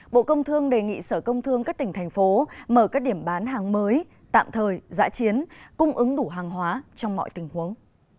bộ công thương đề nghị sở công thương các tỉnh thành phố mở các điểm bán hàng mới tạm thời giã chiến cung ứng đủ hàng hóa trong mọi tình huống